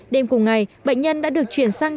đêm cùng ngày bệnh nhân đã được chuyển sang